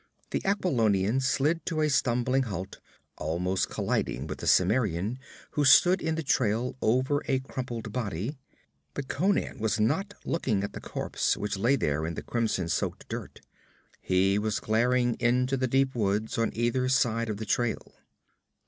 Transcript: The Aquilonian slid to a stumbling halt, almost colliding with the Cimmerian who stood in the trail over a crumpled body. But Conan was not looking at the corpse which lay there in the crimson soaked dust. He was glaring into the deep woods on either side of the trail.